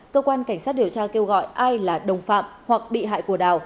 cơ quan cảnh sát điều tra kêu gọi ai là đồng phạm hoặc bị hại của đào